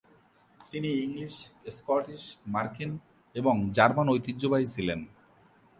তিনি English, Scottish, মার্কিন এবং জার্মান ঐতিহ্যবাহী ছিলেন।